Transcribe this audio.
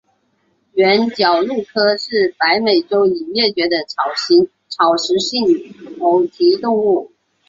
原角鹿科是北美洲已灭绝的草食性偶蹄动物。